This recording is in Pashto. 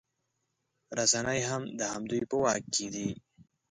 رسنۍ هم د همدوی په واک کې دي